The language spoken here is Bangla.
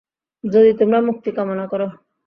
যদি তোমরা মুক্তি কামনা কর।